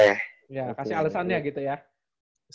kasih alesannya gitu ya